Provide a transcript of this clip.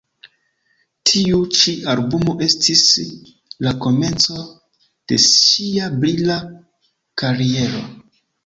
Tiu ĉi albumo estis la komenco de ŝia brila kariero.